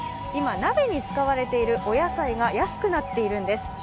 今、鍋に使われているお野菜が安くなっているんです。